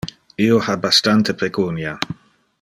Io ha bastante pecunia.